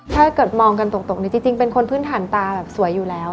ถ้าเกิดมองกันตรงนี้จริงเป็นคนพื้นฐานตาแบบสวยอยู่แล้ว